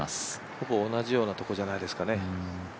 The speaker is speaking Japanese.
ほぼ同じようなところじゃないですかね。